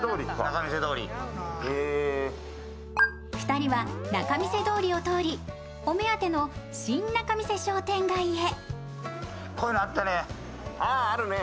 ２人は仲見世通りを通りお目当ての新仲見世商店街へ。